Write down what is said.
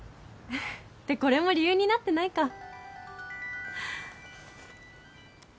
ってこれも理由になってないか